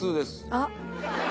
あっ！